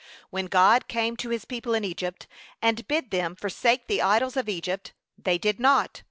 When God came to his people in Egypt, and bid them forsake the idols of Egypt, they did not.